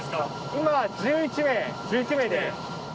今は１１名、１１名で。